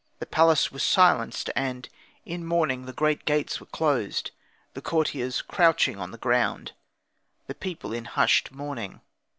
The palace was silenced, and in mourning, the great gates were closed, the courtiers crouching on the ground, the people in hushed mourning.